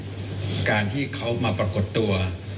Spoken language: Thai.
สันทนะเพราะฉะนั้นการที่เขามาปรากฏตัว